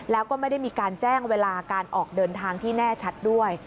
แล้วก็ไม่ได้มีการแจ้งเวลาการออกเดินทางที่แน่ชัดด้วย